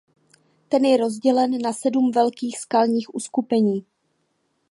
Ten je rozdělen na sedm velkých skalních uskupení.